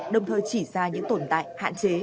đồng thời chỉ ra những tồn tại hạn chế